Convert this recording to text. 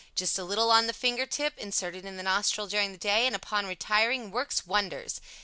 "Just a little on the finger tip" inserted in the nostril during the day, and upon retiring works wonders.